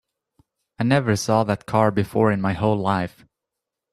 I never saw that car before in my whole life.